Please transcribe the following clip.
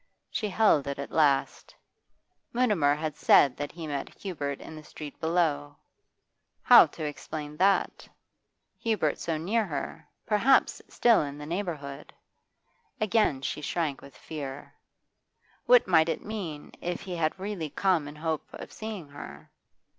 She held it at last; Mutimer had said that he met Hubert in the street below. How to explain that? Hubert so near to her, perhaps still in the neighbourhood? Again she shrank with fear. What might it mean, if he had really come in hope of seeing her?